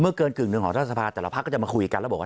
เกินกึ่งหนึ่งของรัฐสภาแต่ละพักก็จะมาคุยกันแล้วบอกว่า